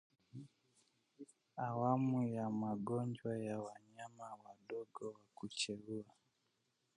Awamu ya Magonjwa ya wanyama wadogo wa kucheua